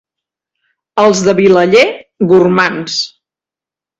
Els de Vilaller, gormands.